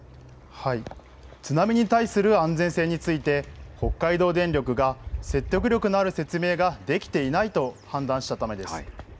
津波に対する安全性について、北海道電力が説得力のある説明ができていないと判断したためです。